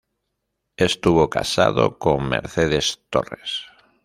Estuvo casado con Mercedes Torres.